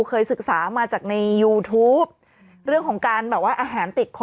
เคยศึกษามาจากในยูทูปเรื่องของการแบบว่าอาหารติดคอ